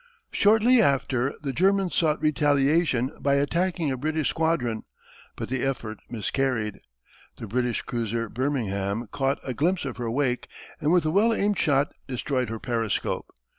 Shortly after the Germans sought retaliation by attacking a British squadron, but the effort miscarried. The British cruiser Birmingham caught a glimpse of her wake and with a well aimed shot destroyed her periscope.